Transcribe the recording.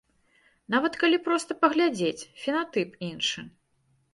Нават калі проста паглядзець, фенатып іншы.